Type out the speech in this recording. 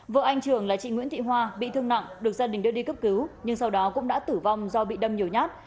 vợ anh trường là chị nguyễn thị hoa bị thương nặng được gia đình đưa đi cấp cứu nhưng sau đó cũng đã tử vong do bị đâm nhiều nhát